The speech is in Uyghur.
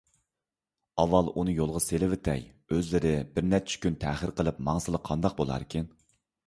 ئاۋۋال ئۇنى يولغا سېلىۋېتەيلى، ئۆزلىرى بىرنەچچە كۈن تەخىر قىلىپ ماڭسىلا قانداق بولاركىن؟